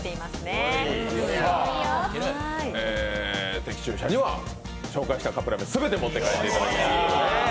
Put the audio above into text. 的中者には紹介したカップラーメン全て持って帰っていただきます。